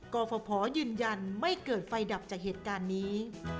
กรฟภยืนยันไม่เกิดไฟดับจากเหตุการณ์นี้